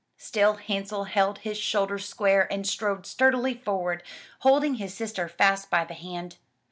Still Hansel held his shoulders square and strode sturdily forward, holding his sister fast by the hand.